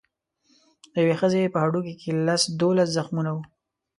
د یوې ښځې په هډوکو کې لس دولس زخمونه وو.